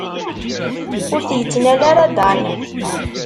Ur t-yettnal ara Dan.